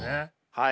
はい。